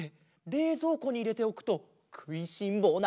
れいぞうこにいれておくとくいしんぼうな